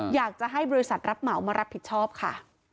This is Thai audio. อยากจะให้บริษัทรับเหมามารับผิดชอบค่ะ